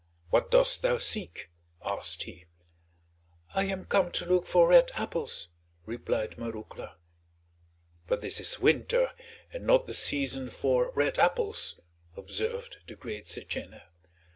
What dost thou seek?" asked he. "I am come to look for red apples," replied Marouckla. "But this is winter, and not the season for red apples," observed the great Setchène.